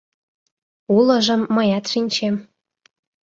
— Улыжым мыят шинчем...